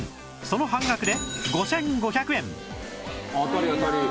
その半額で５５００円